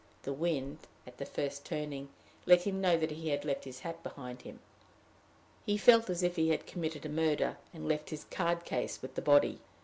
the wind, at the first turning, let him know that he had left his hat behind him! He felt as if he had committed a murder, and left his card case with the body.